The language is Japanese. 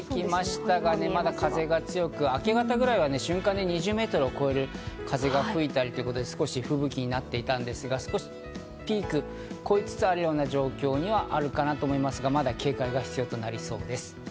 ただ風が強く、明け方ぐらいは瞬間２０メートルを超える風が吹いたり、少し吹雪になっていたんですが、少しピークを越えつつあるような状況にはあるかなと思いますが、まだ警戒は必要となりそうです。